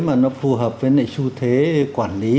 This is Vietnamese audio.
mà nó phù hợp với su thế quản lý